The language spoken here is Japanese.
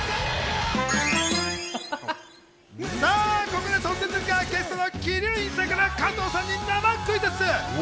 ここで突然ですが、ゲストの鬼龍院さんから加藤さんに生クイズッス。